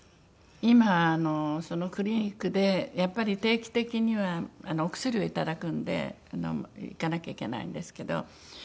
今クリニックでやっぱり定期的にはお薬をいただくんで行かなきゃいけないんですけど。